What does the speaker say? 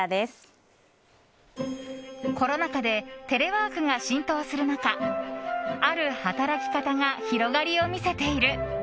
コロナ禍でテレワークが浸透する中ある働き方が広がりを見せている。